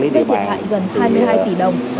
gây thiệt hại gần hai mươi hai tỷ đồng